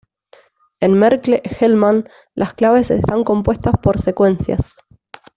En Merkle-Hellman, las claves están compuestas por secuencias.